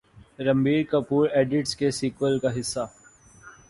Ranbir Kapoor Idiots کے sequel کا حصہ